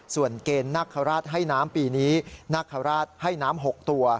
ส่วนเกณฑ์นักฆราชให้น้ำปีนี้นาคาราชให้น้ำ๖ตัว